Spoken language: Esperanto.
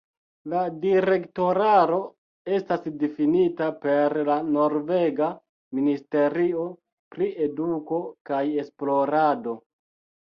La direktoraro estas difinita per la norvega ministerio pri eduko kaj esplorado.